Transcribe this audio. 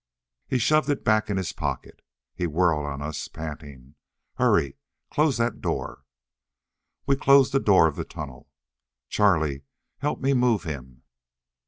He shoved it back in his pocket. He whirled on us, panting. "Hurry! Close that door!" We closed the door of the tunnel. "Charlie, help me move him!"